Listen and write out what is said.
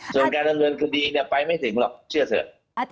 ส่วนการละเลือนคดีเนี่ยไปไม่ถึงหรอกเชื่อเสิร์ฟ